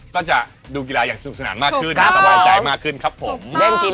ก็จะดูกีฬาอย่างสนุกสนานมากขึ้นสบายใจมากขึ้นครับผม